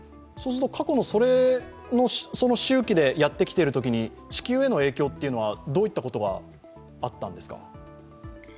過去のその周期でやってきているときに地球への影響はどういったことがあったんですか？